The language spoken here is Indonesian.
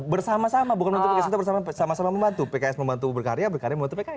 bersama sama bukan untuk sama sama membantu pks membantu berkarya berkarya membantu pks